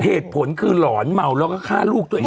เหตุผลคือหลอนเมาแล้วก็ฆ่าลูกตัวเอง